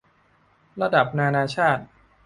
ระดับนานาชาติ